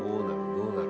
どうなる？